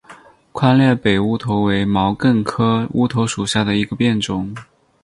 宽裂北乌头为毛茛科乌头属下的一个变种。